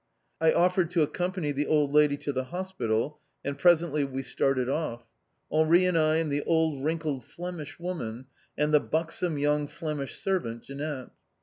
I offered to accompany the old lady to the hospital, and presently we started off. Henri and I, and the old wrinkled Flemish woman, and the buxom young Flemish servant, Jeanette.